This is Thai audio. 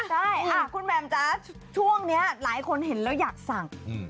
ใช่ค่ะคุณแหม่มจ๊ะช่วงนี้หลายคนเห็นแล้วอยากสั่ง